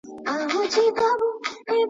هغه له ډاره اوږده لاره د اتڼ لپاره وهلې ده.